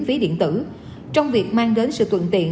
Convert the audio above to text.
phí điện tử trong việc mang đến sự thuận tiện